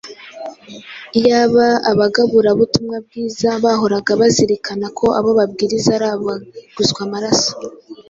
Iyaba abagabura b’ubutumwa bwiza bahoraga bazirikana ko abo babwiriza ari abaguzwe amaraso